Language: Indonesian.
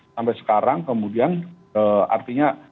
sampai sekarang kemudian artinya